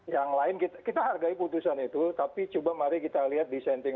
yang lain kita hargai putusan itu tapi coba mari kita lihat dissenting